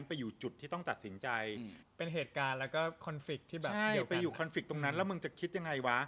ไปอยู่คอนฟิกต์ตรงนั้นแล้วมึงจะคิดยังไงวะ